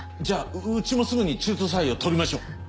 じゃあうちもすぐに中途採用を採りましょう。